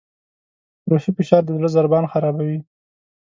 روحي فشار د زړه ضربان خرابوي.